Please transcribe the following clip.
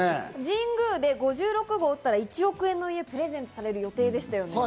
神宮で５６号を打ったら１億円の家をプレゼントされる予定でしたよね。